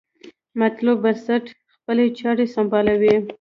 مطلوب بنسټ خپلې چارې سمبالوي.